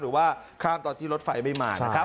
หรือว่าข้ามตอนที่รถไฟไม่มานะครับ